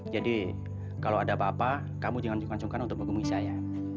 jadi kalau ada apa apa kamu jangan cungkan cungkan untuk bergumul saya